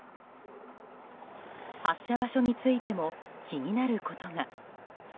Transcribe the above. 発射場所についても気になることが。